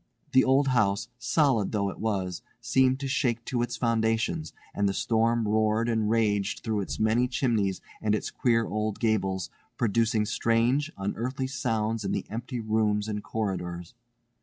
The old house, solid though it was, seemed to shake to its foundations, and the storm roared and raged through its many chimneys and its queer old gables, producing strange, unearthly sounds in the empty rooms and corridors.